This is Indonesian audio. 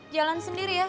jalan sendiri ya